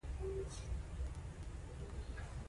نمک د افغانستان د اقتصادي ودې لپاره ارزښت لري.